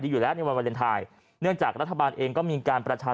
อยู่แล้วในวันวาเลนไทยเนื่องจากรัฐบาลเองก็มีการประชา